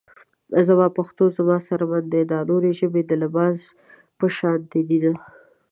زما پښتو زما څرمن ده دا نورې ژبې د لباس پشانته دينه